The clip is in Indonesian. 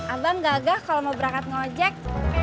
abang gagah kalau mau berangkat ngeojek